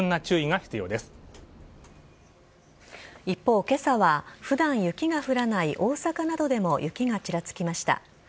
一方、今朝は普段雪が降らない大阪などでも雪がちらつきました。